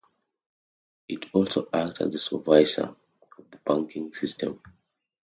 It also acts as the supervisor of the banking system.